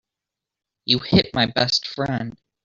You hit my best friend.